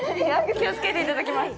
気をつけていただきます。